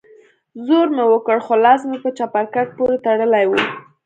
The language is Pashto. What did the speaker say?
زور مې وکړ خو لاس مې په چپرکټ پورې تړلى و.